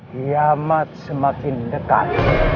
kiamat semakin dekat